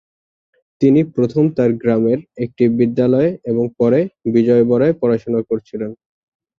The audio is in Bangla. তিনি প্রথম তার গ্রামের একটি বিদ্যালয়ে এবং পরে বিজয়বড়ায় পড়াশোনা করেছিলেন।